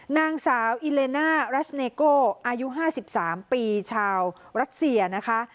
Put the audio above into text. นางสาวอิเลน่ารัสเนโกอายุ๕๓ปีชาวรัสเซียนะคะ